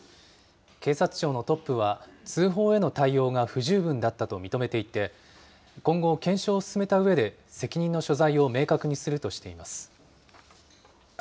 警察庁のトップは通報への対応が不十分だったと認めていて、今後、検証を進めたうえで、責任の所在を明確にするとしています。